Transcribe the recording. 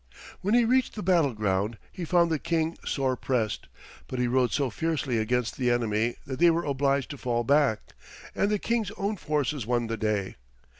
When he reached the battle ground he found the King sore pressed, but he rode so fiercely against the enemy that they were obliged to fall back, and the King's own forces won the day.